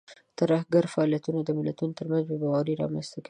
ترهګریز فعالیتونه د ملتونو ترمنځ بې باوري رامنځته کوي.